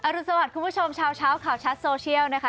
รุนสวัสดิ์คุณผู้ชมเช้าข่าวชัดโซเชียลนะคะ